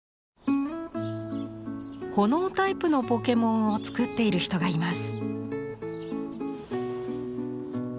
ほのおタイプのポケモンを作っている人がいます。